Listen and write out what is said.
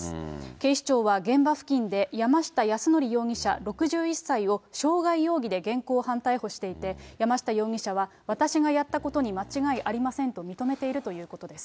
警視庁は現場付近で山下泰範容疑者６１歳を、傷害容疑で現行犯逮捕していて、山下容疑者は、私がやったことに間違いありませんと認めているということです。